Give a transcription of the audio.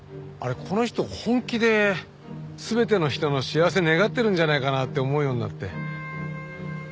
この人本気で全ての人の幸せ願ってるんじゃないかなって思うようになって。